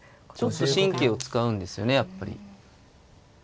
ちょっと神経を遣うんですよねやっぱり。